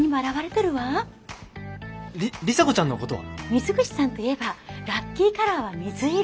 水口さんといえばラッキーカラーは水色。